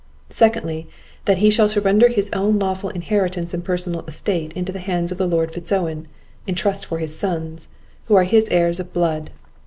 Secondly, that he shall surrender his own lawful inheritance and personal estate into the hands of the Lord Fitz Owen, in trust for his sons, who are his heirs of blood.